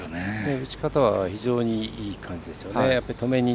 打ち方は非常にいい感じですよね。